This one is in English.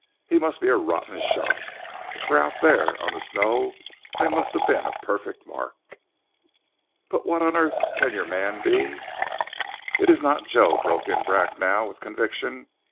He must be a rotten shot, for out there on the snow I must have been a perfect mark!" "But what on earth can your man be " "It is not Joe," broke in Bracknell with conviction.